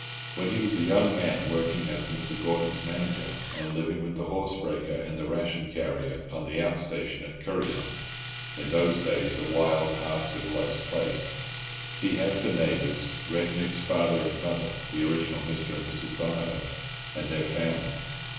When he was a young man working as Mr. Gordon's manager, and living with the horse breaker and the ration carrier on the out station at Kuryong (in those days a wild, half civilised place), he had for neighbours Red Mick's father and mother, the original Mr. and Mrs. Donohoe, and their family.